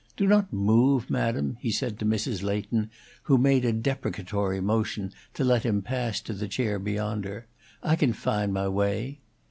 Do not move, madam," he said to Mrs. Leighton, who made a deprecatory motion to let him pass to the chair beyond her; "I can find my way."